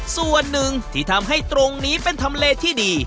ส่วนหนึ่งที่ทำให้ตรงนี้เป็นทำเลที่ดี